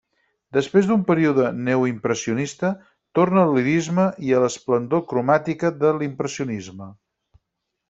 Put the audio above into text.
Després d'un període neoimpressionista, torna al lirisme i a l'esplendor cromàtica de l'impressionisme.